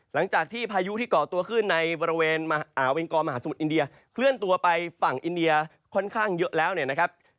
หลังจากที่พายุที่ก่อตัวขึ้นในบริเวณมหาเวงกอมหาสมุทรอินเดียเคลื่อนตัวไปฝั่งอินเดียค่อนข้างเยอะแล้วเนี่ยนะครับ